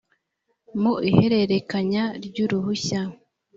mu ihererekanya ry uruhushya